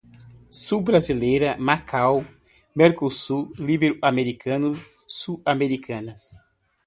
sul-brasileira, Macau, Mercosul, Ibero-americanos, Sul-Americanas